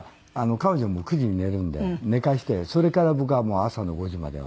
彼女もう９時に寝るんで寝かせてそれから僕はもう朝の５時までは。